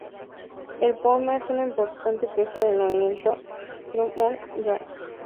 El poema es una importante pieza del movimiento "Sturm und Drang".